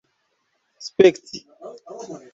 spekti